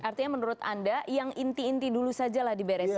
artinya menurut anda yang inti inti dulu sajalah diberesin